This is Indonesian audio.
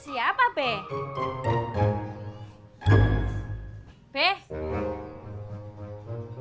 saya pakai pakaian